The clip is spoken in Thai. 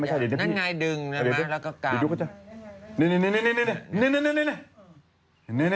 พี่หนุ่มสื่อสารครับตอนนี้นี่นะ